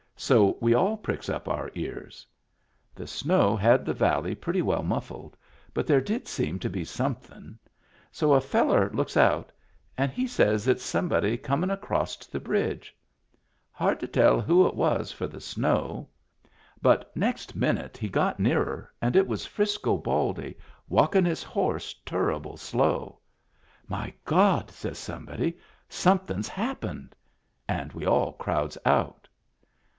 So we all pricks up our ears. The snow had the valley pretty well muffled, but there did seem to be somethin*. So a fellar looks out and he says it's somebody comin' acrost the bridge. Hard to tell who it was for the snow. But next minute he got nearer, and it was Frisco Baldy, walkin' his horse turrable slow. " My God !" says somebody, " somethin's hap pened." And we all crowds out.